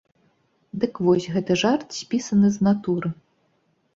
Дык вось, гэты жарт спісаны з натуры!